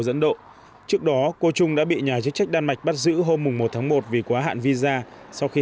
dẫn độ trước đó cô trung đã bị nhà chức trách đan mạch bắt giữ hôm một tháng một vì quá hạn visa sau khi